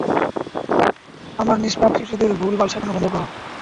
আমার নিষ্পাপ শিশুদের ভুল-বাল শেখানো বন্ধ কর।